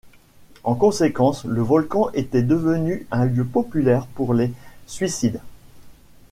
En conséquence, le volcan était devenu un lieu populaire pour les suicides.